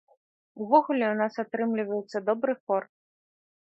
Увогуле, у нас атрымліваецца добры хор.